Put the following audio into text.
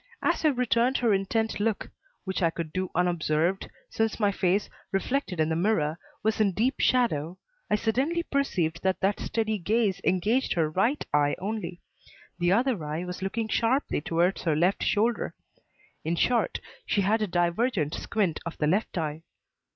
As I returned her intent look which I could do unobserved, since my face, reflected in the mirror, was in deep shadow I suddenly perceived that that steady gaze engaged her right eye only; the other eye was looking sharply towards her left shoulder. In short, she had a divergent squint of the left eye.